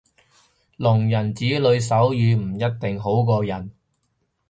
聾人子女手語唔一定好過人